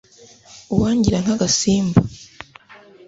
uwangira nk'agasimba